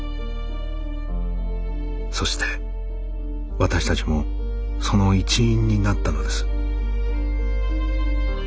そして私たちもその一員になったのです。